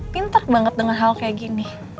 pintar banget dengan hal kayak gini